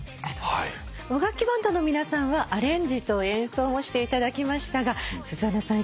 和楽器バンドの皆さんはアレンジと演奏もしていただきましたが鈴華さん